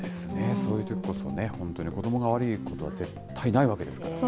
そういうときこそ、本当に子どもが悪いことは絶対ないわけですからね。